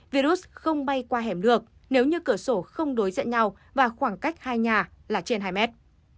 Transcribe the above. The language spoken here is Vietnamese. virus không bay qua hẻm được nếu như cửa sổ không đối diện nhau và khoảng cách hai nhà là trên hai mét